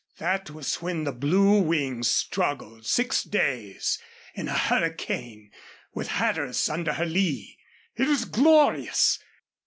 That was when the Blue Wing struggled six days in a hurricane with Hatteras under her lee. It was glorious.